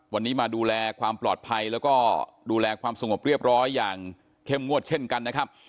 วันนี้มาดูแลความปลอดภัยแล้วก็ดูแลความสงบเรียบร้อยอย่างเข้มงวดเช่นกันนะครับ